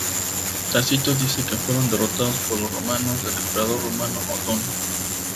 Tácito dice que fueron derrotados por los romanos del emperador romano Otón.